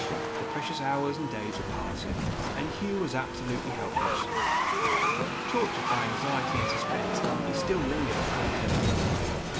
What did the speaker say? The precious hours and days were passing and Hugh was absolutely helpless. Tortured by anxiety and suspense, he still lingered at the hotel in London.